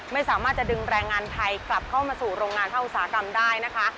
ไม่สามารถจะดึงแรงงานไทยกลับเข้ามาสู่โรงงานภาคอุตสาหกรรมได้นะคะ